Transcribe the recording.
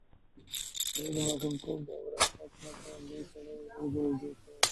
علي د ماشومتوب دروه ختمه کړله لوی سړی ورځنې جوړ شوی دی.